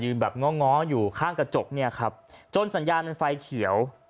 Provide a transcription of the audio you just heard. แบบง้อง้ออยู่ข้างกระจกเนี่ยครับจนสัญญาณมันไฟเขียว